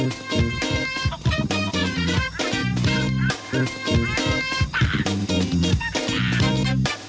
อืมอืมอืมอืมอืม